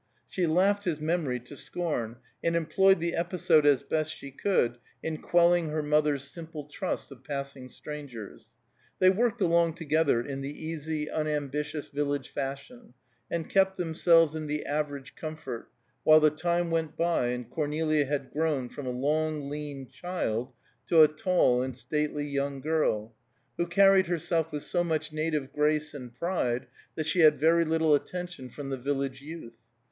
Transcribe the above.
She laughed his memory to scorn, and employed the episode as best she could in quelling her mother's simple trust of passing strangers. They worked along together, in the easy, unambitious village fashion, and kept themselves in the average comfort, while the time went by and Cornelia had grown from a long, lean child to a tall and stately young girl, who carried herself with so much native grace and pride that she had very little attention from the village youth.